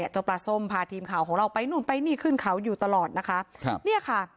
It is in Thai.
เจ้าปลาส้มพาทีมข่าวของเราไปนู่นไปนี่ขึ้นเขาอยู่ตลอดนะคะครับเนี่ยค่ะ